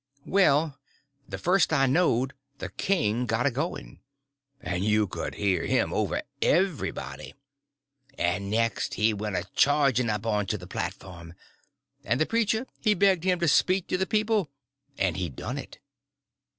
Well, the first I knowed the king got a going, and you could hear him over everybody; and next he went a charging up on to the platform, and the preacher he begged him to speak to the people, and he done it.